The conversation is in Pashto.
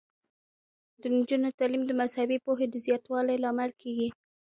د نجونو تعلیم د مذهبي پوهې د زیاتوالي لامل کیږي.